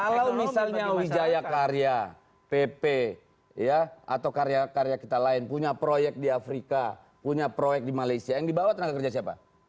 kalau misalnya wijaya karya pp ya atau karya karya kita lain punya proyek di afrika punya proyek di malaysia yang dibawa tenaga kerja siapa